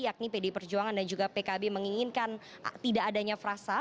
yakni pdi perjuangan dan juga pkb menginginkan tidak adanya frasa